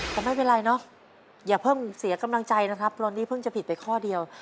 แต่ไม่เป็นไรเนอะอย่าเพิ่งเสียกำลังใจนะครับตอนนี้เพิ่งจะผิดไปข้อเดียว